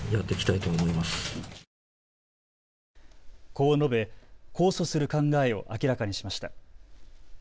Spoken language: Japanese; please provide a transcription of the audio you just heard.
こう述べ、控訴する考えを明らかにしました。